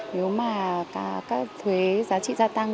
nếu mà các thuế giá trị gia tăng